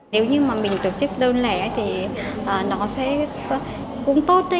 nếu như mà mình tổ chức đơn lẻ thì nó sẽ cũng tốt